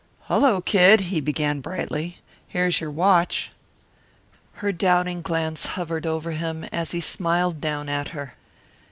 "Hullo, Kid," he began brightly. "Here's your watch." Her doubting glance hovered over him as he smiled down at her.